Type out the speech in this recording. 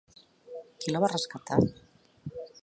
Qui la va rescatar?